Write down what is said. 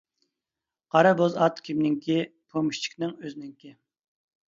قارا بوز ئات كىمنىڭكى، پومېشچىكنىڭ ئۆزىنىڭكى.